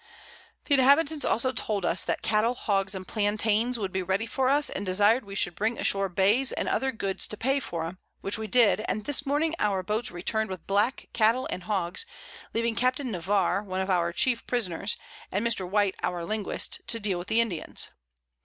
The Inhabitants also told us, that Cattle, Hogs and Plantains would be ready for us, and desir'd we should bring ashore Bays and other Goods to pay for 'em, which we did, and this Morning our Boats return'd with Black Cattle and Hogs, leaving Capt. Navarre, one of our chief Prisoners, and Mr. White our Linguist, to deal with the Indians.